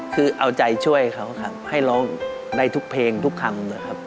คือเอาใจช่วยเขาครับให้ร้องได้ทุกเพลงทุกคำนะครับ